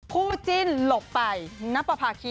คู่จิ้นหลบไปณพพ่าคิน